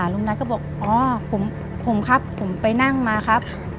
ลุงนัทก็บอกอ๋อผมครับผมไปนั่งมาครับ